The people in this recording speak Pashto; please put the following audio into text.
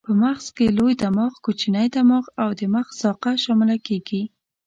په مغز کې لوی دماغ، کوچنی دماغ او د مغز ساقه شامله کېږي.